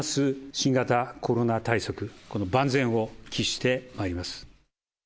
新型コロナ対策、この万全を期してまいります。